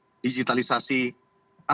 apakah ada di situ tentu kita tidak bisa membahas